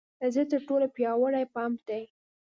زړه تر ټولو پیاوړې پمپ دی.